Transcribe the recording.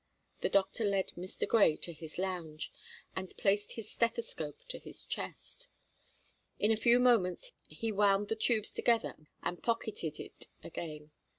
The doctor led Mr. Grey to his lounge, and placed his stethoscope to his chest. In a few moments he wound the tubes together and pocketed it again.